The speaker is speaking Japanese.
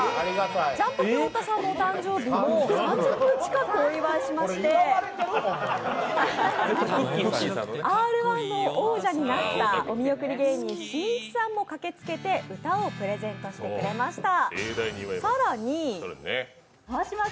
ジャンポケ太田さんのお誕生日には３０分近くお祝いしましてＲ−１の王者になったお見送り芸人しんいちさんも駆けつけて歌をプレゼントしてくれました。